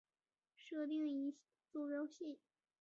设定一坐标系。